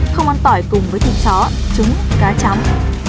không ăn tỏi cùng với thịt chó trứng cá chấm